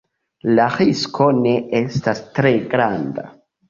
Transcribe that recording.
La risko ne estas tre granda.